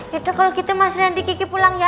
yaudah kalau gitu mas randy kiki pulang ya